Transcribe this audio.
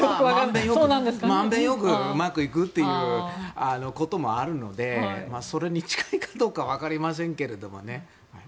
満遍なくうまくいくということもあるのでそれに近いかどうかはわかりませんけれどもね。